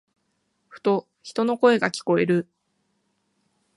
ふと、人の声が聞こえる。